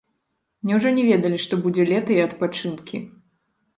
Няўжо не ведалі, што будзе лета і адпачынкі?